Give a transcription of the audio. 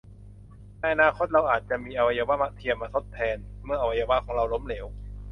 ในอนาคต เราอาจจะมีอวัยวะเทียมมาทดแทนเมื่ออวัยวะของเราล้มเหลว